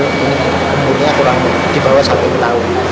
ini umurnya kurang dibawa sampai ke laut